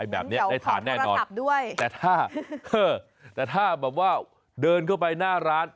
แบบนี้ได้ทานแน่นอนแต่ถ้าแต่ถ้าแบบว่าเดินเข้าไปหน้าร้าน